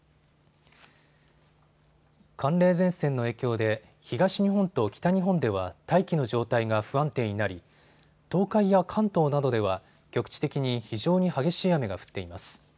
寒冷前線の影響で東日本と北日本では大気の状態が不安定になり東海や関東などでは局地的に非常に激しい雨が降っています。